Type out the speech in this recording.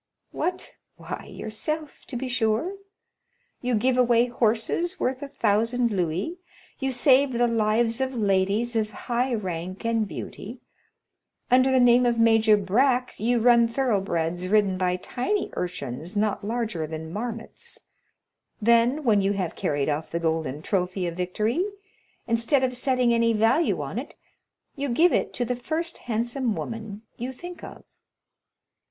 "What? why, yourself, to be sure! You give away horses worth a thousand louis; you save the lives of ladies of high rank and beauty; under the name of Major Black you run thoroughbreds ridden by tiny urchins not larger than marmots; then, when you have carried off the golden trophy of victory, instead of setting any value on it, you give it to the first handsome woman you think of!"